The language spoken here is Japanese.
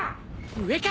上か。